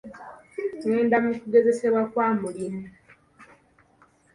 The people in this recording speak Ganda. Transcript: Ngenda mu kugezesebwa kwa mulimu.